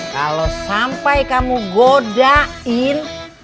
kalau sampai kamu godain